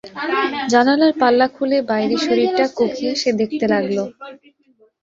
জানালার পাল্লা খুলে বাইরে শরীরটা কুঁকিয়ে সে দেখতে লাগল।